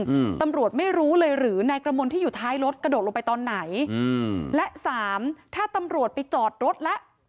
อืมตำรวจไม่รู้เลยหรือนายกระมวลที่อยู่ท้ายรถกระโดดลงไปตอนไหนอืมและสามถ้าตำรวจไปจอดรถแล้ว